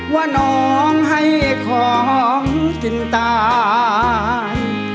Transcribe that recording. ว่าน้องให้ของกินตาย